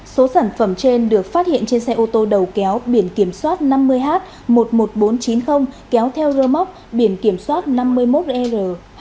số sản phẩm trên được phát hiện trên xe ô tô đầu kéo biển kiểm soát năm mươi h một mươi một nghìn bốn trăm chín mươi kéo theo rơ móc biển kiểm soát năm mươi một r hai mươi ba nghìn sáu trăm sáu mươi bốn